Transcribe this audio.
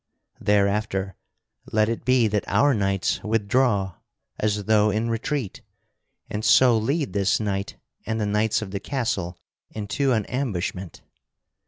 Thereafter let it be that our knights withdraw as though in retreat, and so lead this knight and the knights of the castle into an ambushment.